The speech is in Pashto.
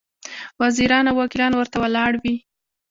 وزیران او وکیلان ورته ولاړ وي.